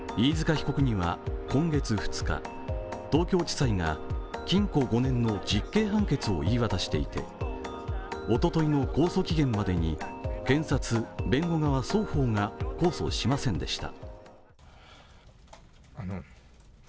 被告には今月２日、東京地裁が禁錮５年の実刑判決を言い渡していておとといの控訴期限までに検察、弁護側双方が控訴しませんでした。